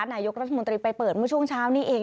นายกรัฐมนตรีไปเปิดเมื่อช่วงเช้านี้เอง